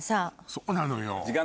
そうなのよ。